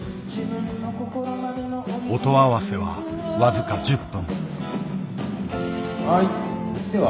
音合わせは僅か１０分。